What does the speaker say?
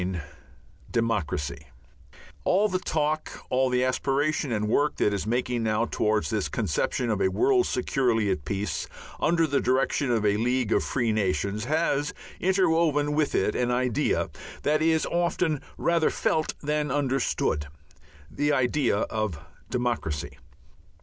IX DEMOCRACY All the talk, all the aspiration and work that is making now towards this conception of a world securely at peace, under the direction of a League of Free Nations, has interwoven with it an idea that is often rather felt than understood, the idea of Democracy.